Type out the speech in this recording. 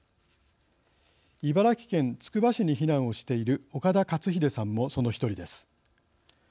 茨城県つくば市に避難をしている岡田勝秀さんも、その１人です。